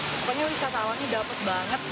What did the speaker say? pokoknya pesatawannya dapat banget